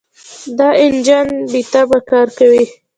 دا انجن بېتمه کار کوي.